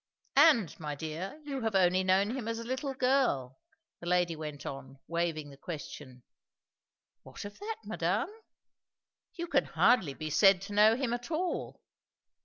"And, my dear, you have only known him as a little girl," the lady went on, waiving the question. "What of that, madame?" "You can hardly be said to know him at all."